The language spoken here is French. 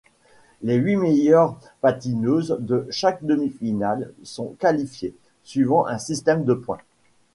Les huit meilleures patineuses de chaque demi-finale sont qualifiées, suivant un système de points.